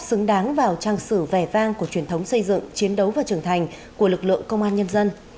xứng đáng vào trang sử vẻ vang của truyền thống xây dựng chiến đấu và trưởng thành của lực lượng công an nhân dân